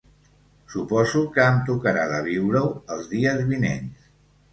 Suposo que em tocarà de viure-ho els dies vinents